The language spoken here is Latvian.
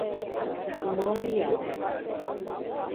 Maijā.